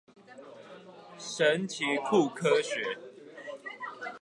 神奇酷科學